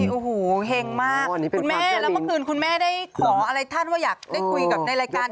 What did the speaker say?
เห็งมากคุณแม่แล้วเมื่อคืนคุณแม่ขออะไรท่าน